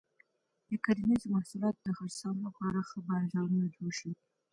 د کرنیزو محصولاتو د خرڅلاو لپاره ښه بازارونه جوړ شي.